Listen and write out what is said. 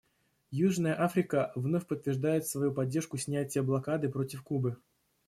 Южная Африка вновь подтверждает свою поддержку снятия блокады против Кубы.